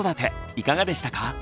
いかがでしたか？